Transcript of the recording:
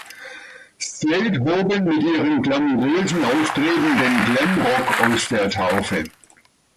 Slade hoben mit ihrem glamourösen Auftreten den Glam Rock aus der Taufe.